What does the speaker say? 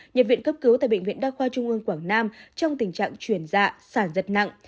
nhập viện cấp cứu tại bệnh viện đa khoa trung ương quảng nam trong tình trạng chuyển dạ sản giật nặng